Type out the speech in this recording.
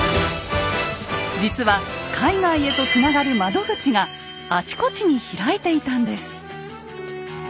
実は海外へとつながる窓口があちこちに開いていたんです。